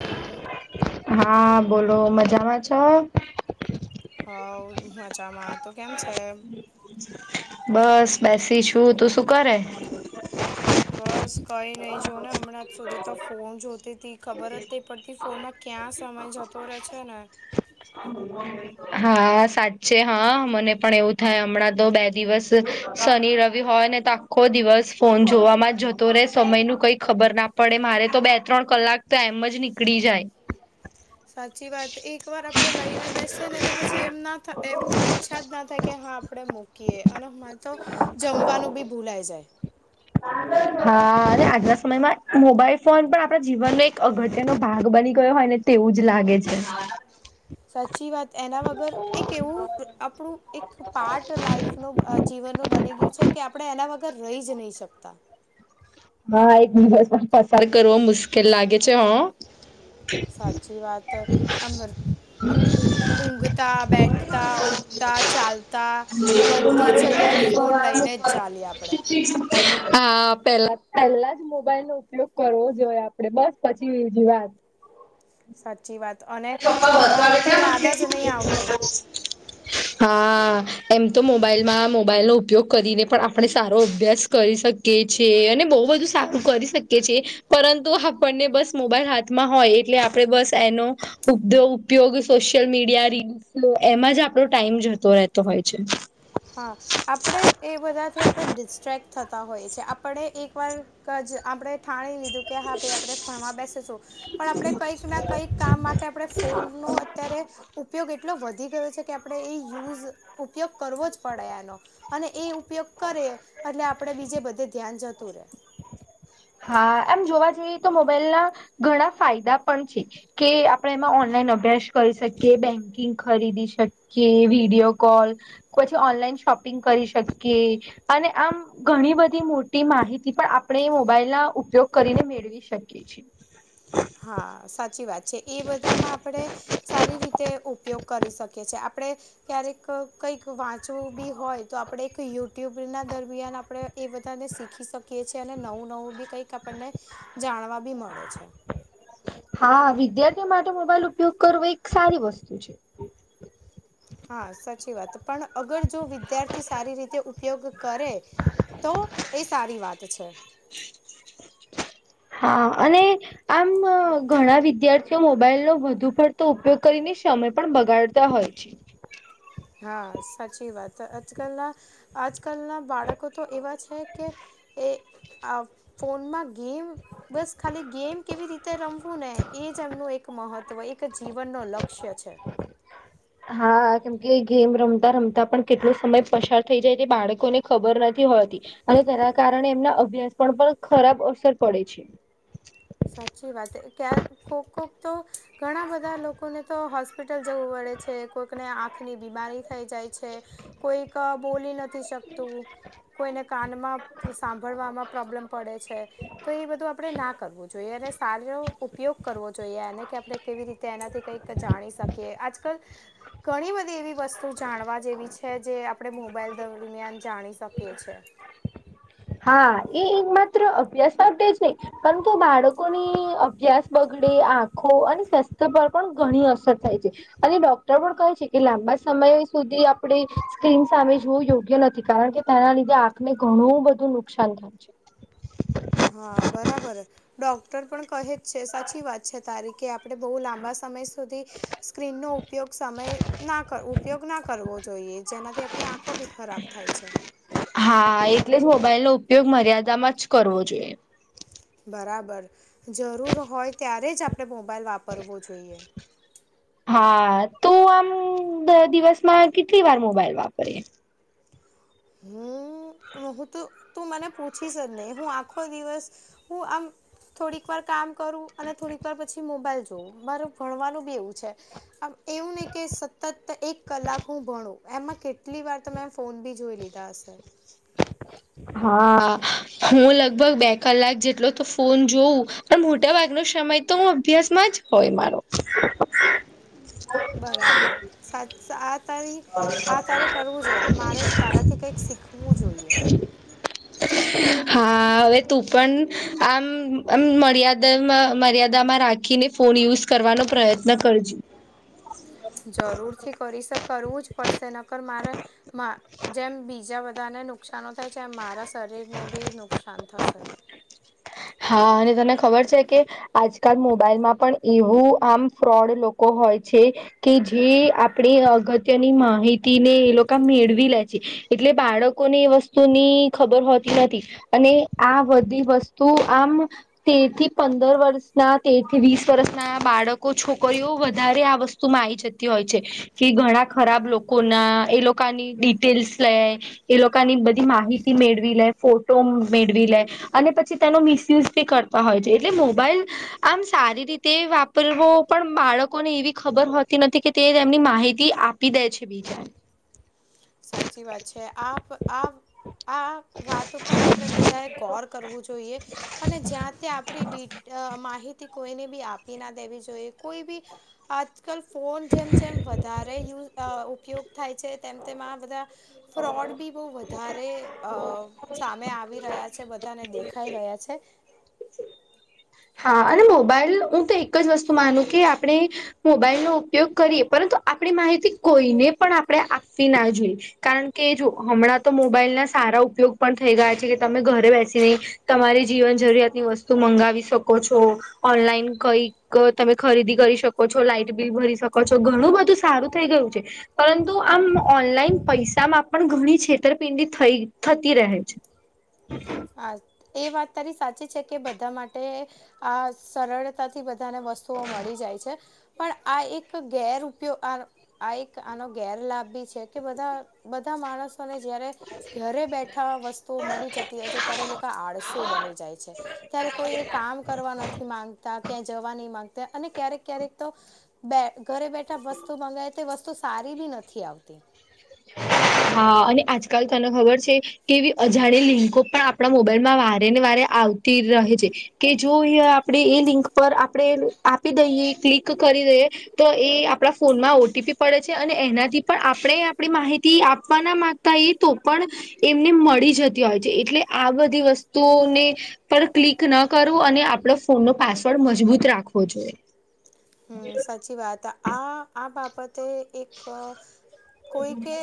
તો હા, બોલો. મજામાં છો? હ, મજામાં, તો કેમ છે? બસ, બેસી છું, તું શું કરે? બસ, કઈ નઈ, જો ને હમણાં જ સુધી તો ફોન જોતી તી. ખબર રતી પડતી ફોનમાં ક્યાં સમય જતો રહે છે ને હ [inaudible] હા, સાચે હા, મને પણ એવું થાય હમણાં તો બે દિવસ શનિ રવિ હોય ને આખો દિવસ ફોન જોવામાં જતો રહે સમયનું કંઈ ખબર ના પડે મારે તો બે ત્રણ કલાક તો એમ જ નીકળી જાય સાચી વાત, એક વાર આપણેે લઈને બેસે ને એ તો પછી એમ ના એમ ઈચ્છા જ ના થાય કે હા આપડે મૂકીએ અને માય ત જમવાનું બી ભૂલાઈ જાય. હા અને આજના સમયમાં મોબાઈલ ફોન પણ આપણા જીવનનો એક અઘટ્યનો ભાગ બની ગયો હોય ને. તેવું જ લાગે છે. સાચી વાત એના વગર એક એવું અ આપડણું એક પાર્ટ લાઈફ નું અ જીવનનું બની ગીયું છે કે આપડે એના વગર રહી જ નહી શકતા. હા એક દિવસ પણ પસાર કરવો મુસ્કેલ લાગે છે હ. સાચી વાત [inaudible] આમ ઊ ઊંઘતા, બેઠતા, ઉઠતા, ચાલતા બધી જ જગ્યાએ ફોન લઈને જ ચાલીએ આપડે હા, પેલા પેલા જ મોબાઈલ નો ઉપયોગ કરવો જોઈએ આપણે બસ પછી બીજી વાત સાચી વાત અને ભણવાનું તો યાદ જ નઈ આવતું હા, એમ તો મોબાઈલમાં મોબાઈલનો ઉપયોગ કરીને પણ આપણે સારો અભ્યાસ કરી શક કે છે અને બહુ બધું સારું કરી શકે પરંતુ આપણને બસ મોબાઈલ હાથમાં હોય એટલે આપડે બસ એનો [inaudible] ઉપયોગ સોશિયલ મીડિયા રીલસો એમાં જ આપડો ટાઈમ જતો રહેતો હોય છે હા, આપડે એ બધાથી આપણે ડિસ્ટ્રેક્ટ થતા હોય છે. આપડે એક વાર કાજ આપણે થાણી લીધું કે હા ભાઈ આપડે ભણવા બેસીશું, પણ આપડે કંઈક ના કંઈક કામ માટે આપડે ફોનનો અત્યારે ઉપયોગ એટલો વધી ગયો છે કે આપણે એ યુઝ ઉપયોગ કરવો જ પડયાનો અને એ ઉપયોગ કરે એટલે આપડે બીજે બધે ધ્યાન જતું રે હા, એમ જોવા જઈ તો મોબાઈલ ના ઘણા ફાયદા પણ છે કે, આપડે એમાં ઓનલાઈન અભ્યાસ કરી શકીએ, બેન્કિંગ ખરીદી શક કે વિડીયો કોલ પછી ઓનલાઈન શોપિંગ કરી શકીએ અને આમ ઘણી બધી મોટી માહિતી પણ આપણે એ બાઈલ ના ઉપયોગ કરીને મેળવી શકીએ છીએ હા, સાચી વાત છે એ બધામાં પડે સારી રીતે ઉપયોગ કરી શકીએ છીએ, આપડે ક્યારેક કંઈક વાંચવું બી હોય તો આપડે એક યુટ્યુબ ના દરમિયાન આપડે એ બધાને શીખી શક કિએ છે અને નવું નવું બી કંઈક આપણને જાણવા બી મળે છે હા, વિદ્યાર્થીઓ માટે મોબાઈલ ઉપયોગ કરવો એક સારી વસ્તુ છે હા સાચી વાત પણ અગર જો વિદ્યાર્થી સારી રીતે ઉપયોગ કરે. તો એ સારી વાત છે. હા, અને આમ, ઘણા વિદ્યાર્થીઓ મોબાઈલ નો વધુ પડતો ઉપયોગ કરીને સમય પણ બગાડ તા હોય છે. હા, સાચી વાત આજ કાલના આજકાલના બાળકો તો એવા છે કે, એ ફોનમાં ગેમ બસ ખાલી ગેમ કેવી રીતે રમવું ને એ જ એમનું એક મહત્વ એક જીવનનું લક્ષ્ય છે હા કેમકે ગેમ રમતા રમતા પણ કેટલો સમય પસાર થઈ જાય તે બાળકોને ખબર નથી હોતી અને તેના કારણે એમના અભ્યાસ પણ પણ ખરાબ અસર પડે છે સાચી વાત [inaudible] કોક કોક તો ઘણા બધા લોકોને તો હોસ્પિટલ જવું પડે છે. કોઈકને આ આંખની બીમારી થઈ જાય છે કોઈક બોલી નથી શકતું. કોઈને કાનમાં સાંભળવામાં પ્રોબ્લેમ પડે છે તો એ બધું આપડે ણા જોએ અને સારો ઉપયોગ કરવો જોઈએ એને કે આપડે કેવી રીતે એનાથી કંઈક જાણી શકીએ આજ કલ. ઘણી બધી એવી વસ્તુ જાણવા જેવી છે જે આપ આપડે મોબાઈલ દરમિયાન જાણી શકીએ છે હા એ એક માત્ર અભ્યાસ માટે જ નહીં. પરંતું બાળકોની અભ્યાસ બગડે આંખો અને સ્વાસ્થ્ય પર પણ ઘણી અસર થાય છે. અને ડોક્ટર પણ કહે છે કે લાંબા સમય સુધી આપડે સ્ક્રીન સામે જોવું યોગ્ય નથી કારણ કે તેના લીધે આંખને ઘણું બધું નુકસાન થાય છે. હા બરાબર ડોક્ટર પણ કહે જ છે સાચી વાત છે તારી કે આપ પડે બઉ લાંબા સમય સુધી સ્ક્રીન નો ઉપયોગ સમય ના કર ઉપયોગ ના કરવો જોઈએ જેનાથી આપડી આંખો બી ખરાબ. થાય છે. હા એટલે જ મોબાઈલનો ઉપયોગ મર્યાદામાં જ કરવો જોઈએ. બરાબર જરૂર હોય ત્યારે જ આપડે મોબાઈલ વાપરવો જોઈએ. હા તું આમ દિવસમાં કેટલી વાર મોબાઈલ વાપરે હમ હું તો તું મને પૂછી જ નહી હું આખો દિવસ. હું આમ. થોડીક વાર કામ કરું અને થોડીક વાર પછી મોબાઈલ જોવું મારે ભણવાનું બી એવું છે. આમ એવું નહીં કે સતત એક કલાક હું ભણું એમાં કેટલી વાર તો મે એમ ફોન ભી જોઈ લી તા હશે [inaudible] હા હું લગભગ બે કલાક જેટલો તો ફોન જોઉં મોટા ભાગનો સમય તો હું અભ્યાસમાં જ હોય મારો. બરાબર. સાચ આ તારી આ તારે કરવું જોઈએ મારે તારાથી કંઈક શીખવું જોઈએ. [inaudible] હા હવે તું પણ આમ આમ મર્યાદામાં મર્યાદામાં રાખ ખીને ફોન યુઝ કરવાનો પ્રયત્ન કરજે જરૂરથી કરીશ કરવું જ પડશે નક્કર મારે. માં જેમ બીજા બધાને નુકશાનો થાય એમ મારાં સ શરીરને બી નુકસાન થશે. હા અને તને ખબર છે કે. આજકાલ મોબાઈલમાં પણ એવું આમ ફ્રોડ લોકો હોય છે. કે જે આપડે અગત્યની માહિતી ને એ લોકા મેળવી લે છે. એટલે બાળકોને એ વસ્તુની ખબર હોતી નથી અને આ બધી વસ તું આમ. તેર થી પંદર વર્ષના તેર થી વીસ વર્ષના બાળકો છોકરીઓ વધારે આ વસ તુમાં આવી જતી હોય છે કે ઘણા ખરાબ લોકો ના એ લોકાની ડિટેલ્સ લેય એ લોકાની બધી માહિતી મેળવી લે ફોટો મેળવી લે અને પછી. તેનો મિસયુઝ પણ કરતા હોય છે એટલે મોબાઈલ. આમ સારી રીતે વાપરવો પણ બાળકોને એવી ખબર હોતી નથી કે. તે તેમની માહિતી આપી દેય છે બીજાને. [inaudible] સાચી વાત છે આપ આ આ વાતો પર અ પડે બધા ગોર કરવું જોઈએ અને જ્યાં ત્યાં આપ ડીટ માહિતી. કોઈને બી આપી ના દેવી જોઈએ કોઈ બી આજકાલ ફોન જેમ જેમ વધારે યુઝ ઉપયોગ થાય છે તેમ તેમ આ બધા ફ્રોડ બી બો વધારે અ છા મે આવી રહ્યા છે બધાને દેખાઈ રહ્યા છે હા અને મોબાઈલ હું તો એક જ વસ્તુ માનું કે આપણે મોબાઈલનો ઉપયોગ કરીએ પરંતુ આપણી માહિતી કોઈને પણ આપડે આપવી ના જોઈએ કારણ કે જો હમણાં તો મોબાઈલ ના સારા ઉપયોગ પણ થઈ ગયા છે કે તમે ઘરે બેસીને તમારી જીવન જરૂરિયાત ની વસ્તુ મંગાવી શકો છો ઓનલાઈન કઈક તમે ખરીદી કરી શકો છો લાઈટ બિલ ભરી શકો છો ઘણું બધું સારું થઈ ગયું છે પરંતુ આમ ઓનલાઈન પૈસામાં પણ ઘણી છેતરપિંડી થઈ થતી રહે છે. હા એ વાત તારી સાચી છે કે બધા માટે આ સરળ બધાને વસ્તુઓ મળી જાય છે પણ આ એક ગેરયોગ આ એક આનો ગેરલાાભ ભી છે કે બધા બધા માણસ ને જયારે ઘરે બેઠા વસ્તુઓ મળી જતી હોય છે ત્યારે એ લોકો આળસુ બની જાય છે. ત્યારે કોઈ એ કામ કરવા નથી માંગતા ક્યાંય જવા નહી માંગતા અને ક્યારેક ક્યારેક તો બે ઘરે બેઠા વસ્તુ મંગાય તે વસ્તુ સારી બી નથી આવતી. હા અને આજકાલ તને ખબર છે. કેવી અજાણી લિંકો પણ આપણા મોબાઈલમાં વારે ને વારે આવતી રહે છે. કે જો અ આપણેે એ લિંક પર આપણેે આપી દઈએ, ક્લિક કરી દઈએ. તો એ આપણા ફોનમાં ઓટીપી પડે છે અને એનાથી પણ આપણે આપણી માહિતી આપવાના મામાંગતા એ તો પણ એમને મળી જતી હોય છે. એટલે આ બધી વસ્તુઓને પણ ક્લિક ન કરવું અને આપડો ફોન નો પાસવર્ડ મજબૂત રાખવો જોઈએ. હ સાચી વાત. આ આ બાબતે એક કોઈ કે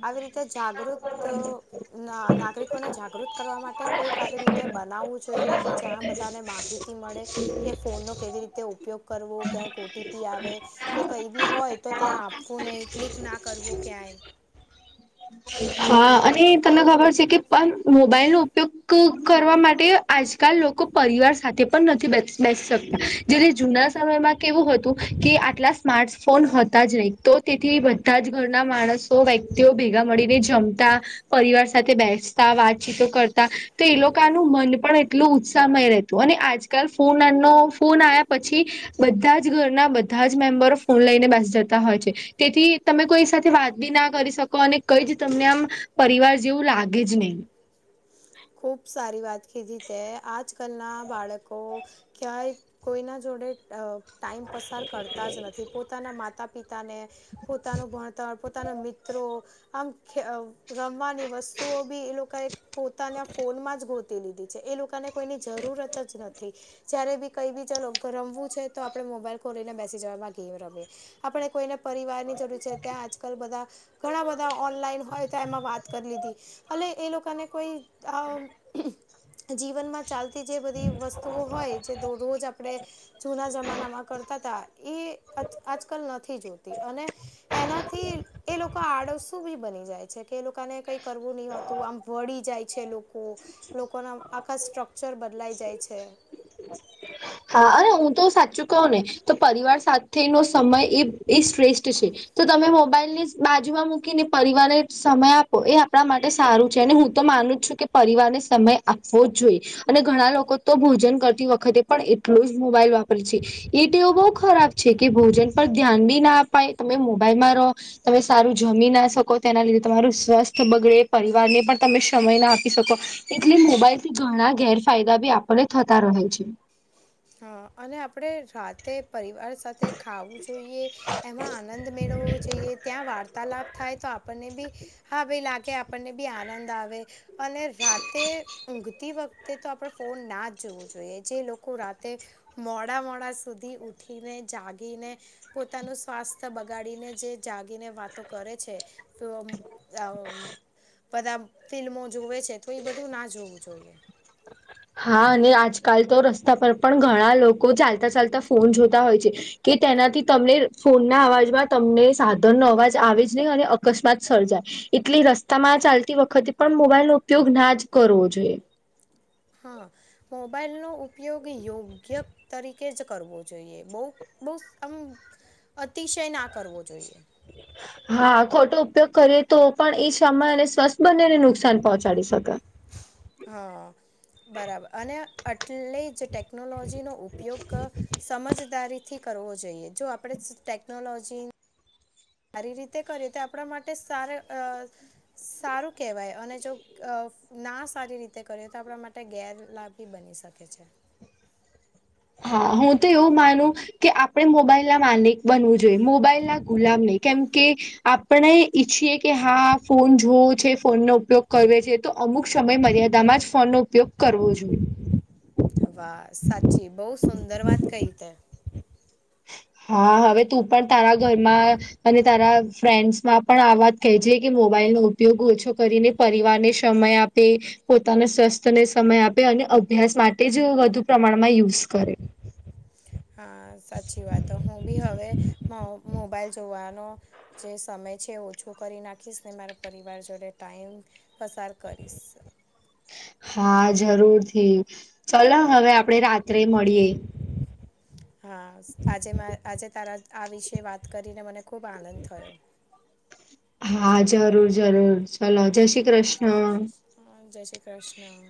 આવી રીતે જાગૃત ના નાગરિકોને જાગૃત કરવા માટે કોઈક આવી રીતે બનાવવું જોઈએ કે જ્યાં બધાને માહિતી મળે કે ફોન નો કેવી રીતે ઉપયોગ કરવો ક્યા ઓટીપી આવે કે કઈ બી હોય તો ત્યાં આપવું નહીિ ક્લિક ના કરવું ક્યાંય. હા અને તમને ખબર છે કે પણ મોબાઈલ નો ઉપયોગ કરવા માટે આજકાલ લોકો પરિવાર સાથે પણ નથી બેસી શકતા. જે જૂના સમયમાં કેવું હતું કે આટલા સ્માર્ટ ફોન હતા જ નહી. તો તેથી બધા જ ઘરના માણસો તો વ્યક્તિઓ ભેગા મળીને જમતા. પરિવાર સાથે બેસતા વાતચીતો કરતા તો એ લોકોનું મન પણ એટલું ઉત્સાહમય રહેત. તો અને આજકાલ ફોનનો ફોન આવ્યા પછી બધા જ ઘરના બધા જ મેમ્બરો ફોન લઈને બેસ જતા હોય છે. તેથી તમે કોઈ સાથે વાત બી ના કરી શકો. અને કઈ જ તમને આમ પરિવાર જેવું લાગે જ નહીં. ખુબ સારી વાત કીધી તે આજ કલ ના બાળકો ક્યાંય કોઈ ના જોડે અ ટાઈમ પસાર કરતા જ નથી પોતાના માતા પિતાને- પોતાનું ભણતર પોતાના મિત્રો આમ રમવાની વસ્તુઓ બી એ લોકો પો પોતાને ફોનમાં જ ગોતી લીધી છે એ લોકોને કોઈની જરૂરત જ નથી. જય્યારે બી કઈ બી રમવું છે તો આપડે મોબાઈલ ખોલીઈને બેસી જવામાં ગેમ રમે. આપણે કોઈને પરિવાર ની જરૂર છે. ત્યાં આજકાલ બધા ઘણા બધા ઓનલાઈન હોય તો એમાં વાત કરી લીધી એ એ લોકોને કોઈ આ જીવનમાં ચાલતી જે બધી વસ્તુઓ હોય જે રોજ. આપણે જૂના જમાનામાં કરતા હતા એ આજકાલ નથી જોતી અને એનાથી એ લોકો આડવ શું બી બની જાય છે કે એ લોકોને કઈ કરવું નહ હોતું. આમ વળી જાય છે લોકો લોકોના આખા સ્ટ્રક્ચર બદલાઈ જાય છે. હા અરે હું તો સાચું કહું ને તો પરિવાર સાથેનો સમય એ એ શ્રેષ્ઠ છે. તો તમે મોબાઈલ ની બાજુમાં મૂકીને પરિવાર સમય આપો એ આપણા માટે સારું છે અને હું તો માનું છ કે પરિવારને સમય આપવો જ જોઈએ અને ઘણા લોકો તો ભોજન કરતી વખતે પણ એટલોું જ મોબાઈલ વાપરે છે. એ તોવ બહ ખરાબ છે કે ભોજન પર ધ્યાન બી ના અપાય. તમે મોબાઈલમાં રહો તમે સારું જમી ના શકો તેના લીધે તમારું સ્વસ્થ બગડે, પરિવારને પણ તમે સમય ના આપી શકો. એટલે મોબાઈલ થી ઘણા ગેરફાયદા બી આપણને થતા રહે છે. હા અને આપણે રાતે પરિવાર સાથે ખાવું જોઈએ. એમાં આનંદ મેળવવો જોઈએ. ત્યાં વાર્તાલાપ થાય તો આપણને બી હા ભાઈ લાગે આપણને બી આનંદ આવે અને રાતે ઊંઘતી વખ તે તો આપણેે ફોન ના જ જોવું જોઈએ. જે લોકો રાત તે મોડા મોડા સુધી ઉઊઠીને જાગીને પોતાનું સ્વાસ્થ્ય બગાડીને જે જાગીને વાતો કરે છે. બધા ફિલ્મો જોવે છે તો એ બધું ના જોવું જોઈએ. હા અને આજકાલ તો રસ્તા પર પણ ઘણા લોકો ચાલતા ચાલતા ફોન જોતા હોય છે. કે તેનાથી તમને ફોનના અવાજમાં તમને સાધનનોો અવાજ આવે જ નહી અને અકસ્માત સર્જાય એટલે રસ્તામાં ચાલતી વખતે પણ મોબાઈલ નો ઉપયોગ ના જ કરવો જોઈએ. હા મોબાઈલનો ઉપયોગ યોગ્ય તરીકે જ કરવો જોઈએ. બહુ બહ આમ અતિશય ના કરવો જોઈએ. હા ખોટો ઉપયોગ કરીએ તો પણ એ સમ્ષય અને સ્વસ્થ બનેને નુકસાન પહોંચાડી શકે. હા. બરાબર. અને એટલે જ ટેકનોલોજીનો ઉપયોગ સમજદારીથી કરવો જોઈએ. જો આપડે ટેકનોલોજી સારી રીતે કરીયું તો આપણા માટે સારા સારું કહેવાય. અને જો ના સારી રીતે કર્યો તો આપણા માટે ગેરલાભી બની શકે છે. હા હું તો એવ માનું. કે આપણે મોબાઈલ ના માલિક બનવું જોઈએ. મોબાઈલ ના ગુલામને કેમ કે આપણે ઈચ્છીએ કે હા ફોન જોવો છે. ફોનનો ઉપયોગ કર છે તો અમુક સમય મર્યાદામાં જ ફોનનો ઉપયોગ કરવો જોઈએ. વાહ સાચી બહુ સુંદર વાત કહી ત. હા હવે તું પણ તારા ઘરમાં. અને તારા ફ્રેન્ડ્સમાં પણ આ વાત કહે છે કે મોબાઈલ નો ઉપયોગ ઓછો કરીને. પરિવાર ને સમય આપે. પોતાના સ્વસ્થને સમય આપે અને અભ્યાસ માટે જ વધુ પ્રમાણમાં યુઝ કરે. હા સાચી વાત. તો હું બી હવે મો મોબાઈલ જોવાનો જે સમય છે ઓછો કરી નાખીશ ને મારા પરિવાર જોડે ટાઈમ પસાર કરીશ. હા જરૂરથી ચલો હવે આપડે રાત્રે મળીએે. હા આજે મા આજે તારા આ વિશે વાત કરીને મને ખૂબ આનંદ થયો. હા જરૂર જરૂર ચલો જય શ્રી કૃષ્ણ. હા જય શ્રી કૃષ્ણ.